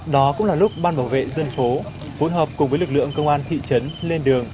đó cũng là lúc ban bảo vệ dân phố hỗn hợp cùng với lực lượng công an thị trấn lên đường